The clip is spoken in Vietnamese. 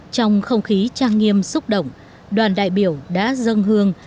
trong không khí trang nghiêm xúc động đoàn đại biểu đã dâng hương